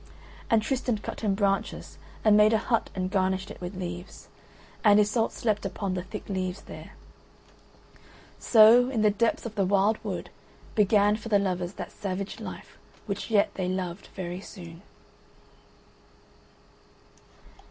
And Tristan cut him branches and made a hut and garnished it with leaves. And Iseult slept upon the thick leaves there. So, in the depths of the wild wood began for the lovers that savage life which yet they loved very soon.